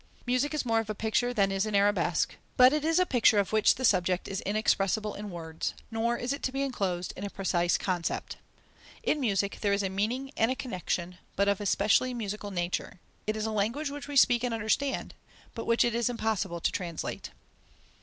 Music is more of a picture than is an arabesque; but it is a picture of which the subject is inexpressible in words, nor is it to be enclosed in a precise concept. In music, there is a meaning and a connexion, but of a specially musical nature: it is a language which we speak and understand, but which it is impossible to translate."